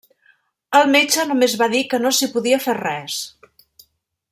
El metge només va dir que no s'hi podia fer res.